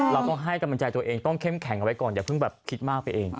เราต้องให้กำลังใจตัวเองต้องเข้มแข็งเอาไว้ก่อนอย่าเพิ่งแบบคิดมากไปเอง